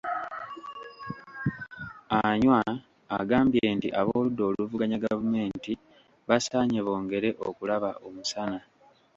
Anywar agambye nti abooludda oluvuganya gavumenti basaanye bongere okulaba omusana.